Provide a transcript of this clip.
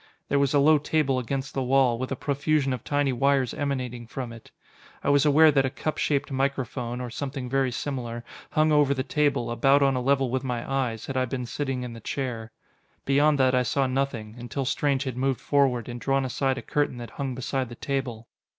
There was a low table against the wall, with a profusion of tiny wires emanating from it. I was aware that a cup shaped microphone or something very similar hung over the table, about on a level with my eyes, had I been sitting in the chair. Beyond that I saw nothing, until Strange had moved forward and drawn aside a curtain that hung beside the table.